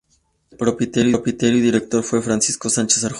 El propietario y director fue Francisco Sánchez-Arjona.